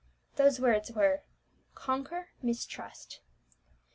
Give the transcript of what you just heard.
Those words were _Conquer Mistrust.